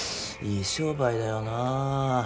いい商売だよなあ。